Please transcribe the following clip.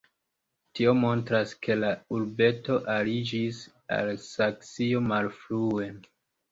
Tio montras, ke la urbeto aliĝis al Saksio malfrue.